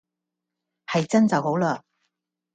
係真就好喇